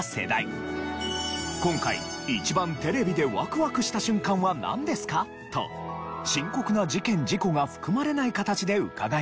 今回一番テレビでワクワクした瞬間はなんですか？と深刻な事件事故が含まれない形で伺いました。